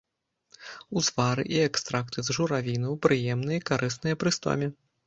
Узвары і экстракты з журавінаў прыемныя і карысныя пры стоме.